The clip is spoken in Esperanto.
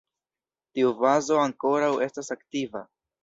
Tiu fazo ankoraŭ estas aktiva.